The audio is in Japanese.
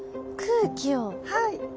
はい。